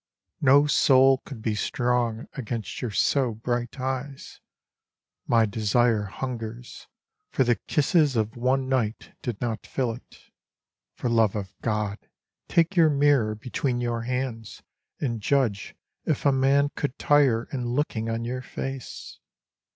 No soul could be strong against your so bright eyes. My desire hungers, for the kisses of one night did not fill it. For love of God, take your mirror between your hands and judge If a man could tire in looking on your face.